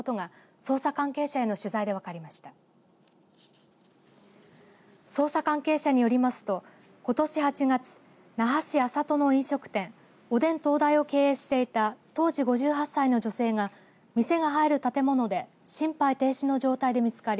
捜査関係者によりますとことし８月那覇市安里の飲食店おでん東大を経営していた当時５８歳の女性が店が入る建物で心肺停止の状態で見つかり